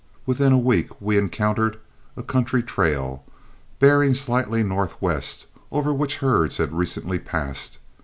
Within a week we encountered a country trail, bearing slightly northwest, over which herds had recently passed.